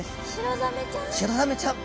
シロザメちゃん？